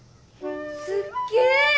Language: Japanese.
すっげぇ！